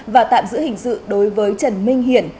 và tạm giữ hình sự đối với trần minh hiển